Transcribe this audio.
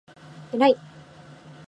えらい！！！！！！！！！！！！！！！